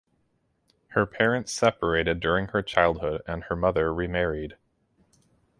Her parents separated during her childhood and her mother remarried.